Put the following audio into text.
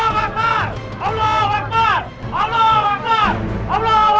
tidak ada yang akan mendengar kamu